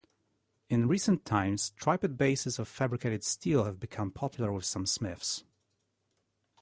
In recent times tripod bases of fabricated steel have become popular with some smiths.